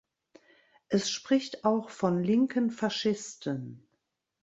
Es spricht auch von linken Faschisten.